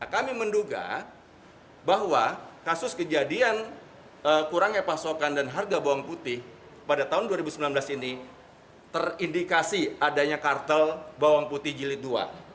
kami menduga bahwa kasus kejadian kurangnya pasokan dan harga bawang putih pada tahun dua ribu sembilan belas ini terindikasi adanya kartel bawang putih jilid dua